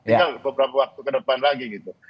tinggal beberapa waktu ke depan lagi gitu